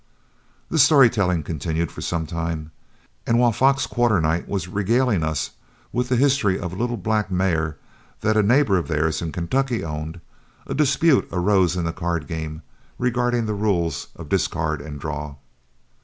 The story telling continued for some time, and while Fox Quarternight was regaling us with the history of a little black mare that a neighbor of theirs in Kentucky owned, a dispute arose in the card game regarding the rules of discard and draw.